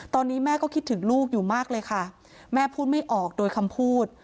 ตอนนี้แม่ก็คิดถึงลูกอยู่มากเลยค่ะแม่พูดไม่ออกโดยคำพูด